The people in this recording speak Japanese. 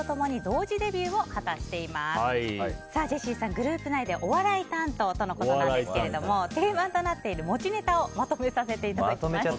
グループ内でお笑い担当ということですけども定番となっている持ちネタをまとめさせていただきました。